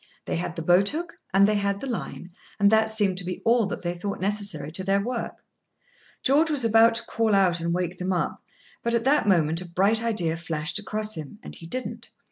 They had the boat hook and they had the line, and that seemed to be all that they thought necessary to their work. George was about to call out and wake them up, but, at that moment, a bright idea flashed across him, and he didn't.